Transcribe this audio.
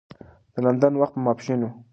د لندن وخت په ماپښین و.